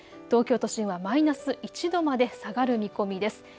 東京都心はマイナス１度まで下がる見込みです。